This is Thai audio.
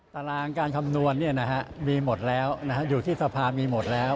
ตารางการคำนวณเนี่ยนะฮะมีหมดแล้วอยู่ที่ทรภาพที่มีหมดแล้ว